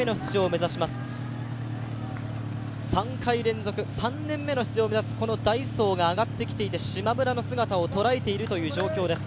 ３回連続３年目の出場を目指すダイソーが上がってきてしまむらの姿をとらえているという状況です。